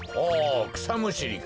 くさむしりか。